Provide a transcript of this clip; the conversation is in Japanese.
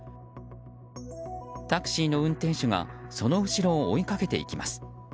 タクシーの運転手がその後ろを追いかけていきます。